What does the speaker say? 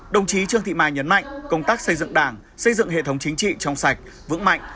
đồng chí trương thị mai nhấn mạnh công tác xây dựng đảng xây dựng hệ thống chính trị trong sạch vững mạnh